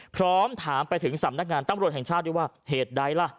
พร้อมถามไปถึงสำนักงานตำรวจแห่งชาติด้วยว่าเหตุใดล่ะ